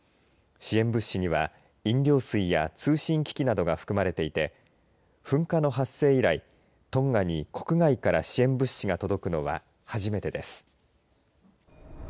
支援物資には飲料水や通信機器などが含まれていて噴火の発生以来、トンガに国外から支援物資が届くのは初めてです。